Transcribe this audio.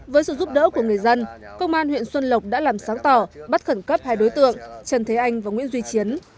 với sự giúp đỡ của người dân công an huyện xuân lộc đã làm sáng tỏ bắt khẩn cấp hai đối tượng trần thế anh và nguyễn duy chiến